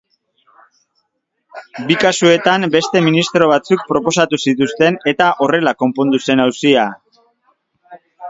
Bi kasuetan beste ministro batzuk proposatu zituzten eta horrela konpondu zen auzia.